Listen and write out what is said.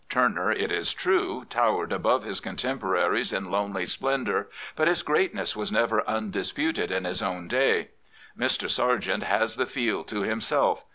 Turner, it is true, towered above his contemporaries in lonely splendour; but his greatness was never undisputed in his own day. Mr. Sargent has the field to himself.